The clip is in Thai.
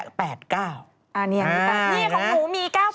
อ่านี่กับ๘๙นี่ของู้มีก้าวแต่